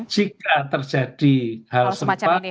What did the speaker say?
jika terjadi hal serupa